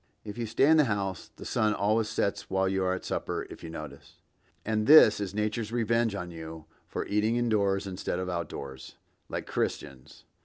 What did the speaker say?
(If you stay in the house the sun always sets while you are at supper, if you notice; and this is nature's revenge on you for eating indoors instead of out of doors, like Christians.)